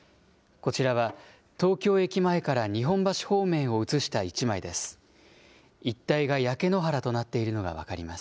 こちらは東京駅前から日本橋方面を写した１枚です。